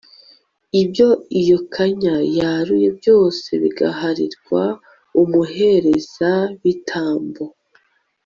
ibyo iyo kanya yaruye byose bigaharirwa umuherezabitambo